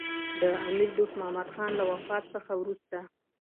د امیر دوست محمدخان له وفات څخه وروسته.